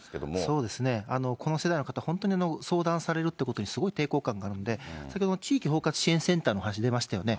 そうですね、この世代の方、本当に相談されるってことにすごい抵抗感があるので、先ほどの地域包括支援センターの話出ましたよね。